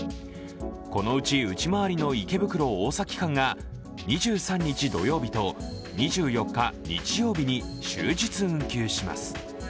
このうち内回りの池袋ー大崎間が２３日土曜日と、２４日日曜日に終日運休します。